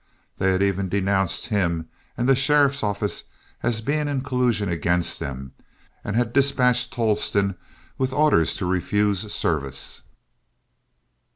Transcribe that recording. They had even denounced him and the sheriff's office as being in collusion against them, and had dispatched Tolleston with orders to refuse service.